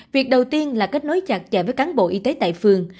việc đầu tiên là kết nối chặt chẽ với cán bộ y tế tại phường